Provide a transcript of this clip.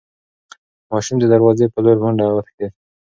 ماشوم د دروازې په لور په منډه وتښتېد.